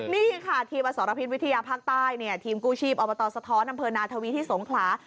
นี่ค่ะทีมอสรพิษวิทยาภาคใต้ทีมกู้ชีพอบตสะท้อนดนาทวีที่สงขรา